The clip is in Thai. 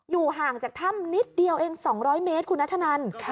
ห่างจากถ้ำนิดเดียวเอง๒๐๐เมตรคุณนัทธนัน